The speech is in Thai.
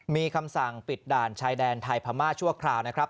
มีคำสั่งปิดด่านชายแดนไทยพม่าชั่วคราวนะครับ